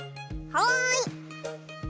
はい！